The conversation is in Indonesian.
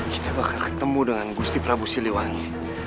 kita bakal ketemu dengan gusti prabu siliwangi